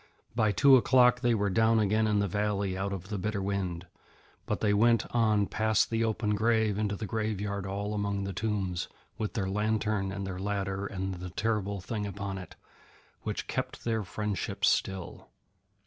By two o'clock they were down again in the valley out of the bitter wind, but they went on past the open grave into the graveyard all among the tombs, with their lantern and their ladder and the terrible thing upon it, which kept their friendship still.